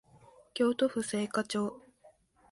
京都府精華町